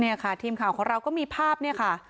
เนี่ยค่ะทีมข่าวของเราก็มีภาพเนี่ยค่ะ